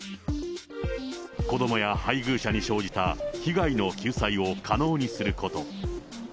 子どもや配偶者に生じた被害の救済を可能にすること。